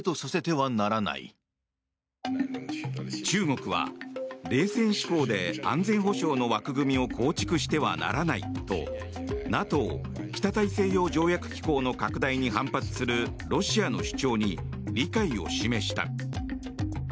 中国は冷戦思考で安全保障の枠組みを構築してはならないとＮＡＴＯ・北大西洋条約機構の拡大に反発するロシアの主張に理解を示した。